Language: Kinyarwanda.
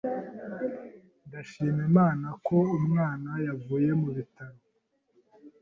Ndashima Imana ko umwana yavuye mu bitaro